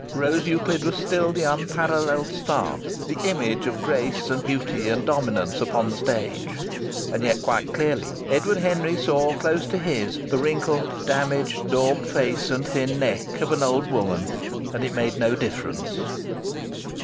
Rose Euclid was still the unparalleled star, the image of grace and beauty and dominance upon the stage. And yet quite clearly Edward Henry saw close to his the wrinkled, damaged, daubed face and thin neck of an old woman; and it made no difference.